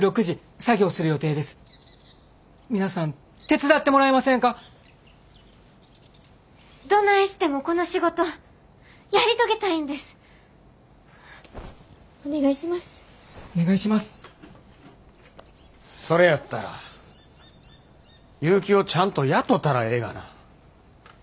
それやったら結城をちゃんと雇たらええがな。